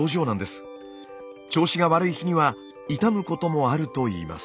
調子が悪い日には痛むこともあるといいます。